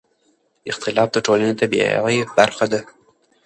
اختلاف د ټولنې طبیعي برخه ده